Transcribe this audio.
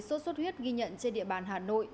số suất huyết ghi nhận trên địa bàn hà nội